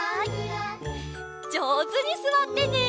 じょうずにすわってね！